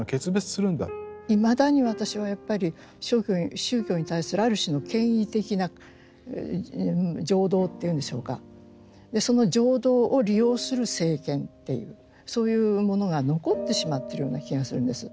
いまだに私はやっぱり宗教に対するある種の権威的な情動というんでしょうかその情動を利用する政権っていうそういうものが残ってしまってるような気がするんです。